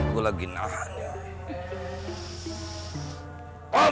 gue lagi nahan ya